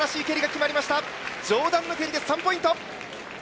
上段の蹴りで３ポイント！